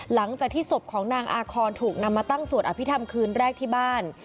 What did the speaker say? หลังจากที่ศพของนางอาคอนถูกนำมาตั้งสวดอภิษฐรรมคืนแรกที่บ้าน